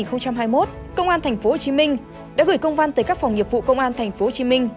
trước đó vào đầu tháng một mươi năm hai nghìn hai mươi một công an tp hcm đã gửi công văn tới các phòng nghiệp vụ công an tp hcm